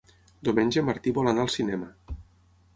Diumenge en Martí vol anar al cinema.